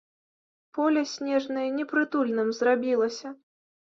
Поле снежнае непрытульным зрабілася.